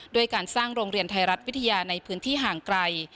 ด้วยการสร้างโรงเรียนไทยรัฐวิทยาในพื้นที่ห่างไกล